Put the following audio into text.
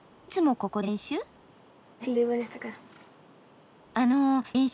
いつもここで練習？